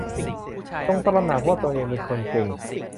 จงตระหนักว่าตัวเองเป็นคนเก่ง